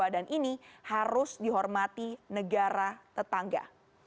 dan ini harus dihormati negara tetangga